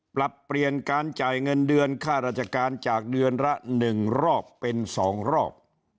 ปรับเปลี่ยนการจ่ายเงินเดือนค่าราชการจากเดือนละ๑รอบเป็น๒รอบ